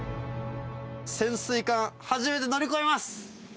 潜水艦、初めて乗り込みます。